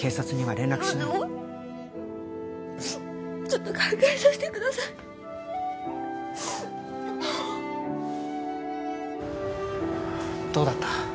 ちょっと考えさせてくださいどうだった？